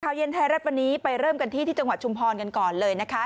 เย็นไทยรัฐวันนี้ไปเริ่มกันที่ที่จังหวัดชุมพรกันก่อนเลยนะคะ